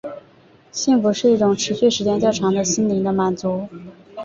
幸福是一种持续时间较长的心灵的满足。